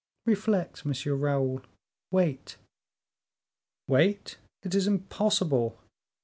"Reflect, M. Raoul; wait." "Wait! it is impossible.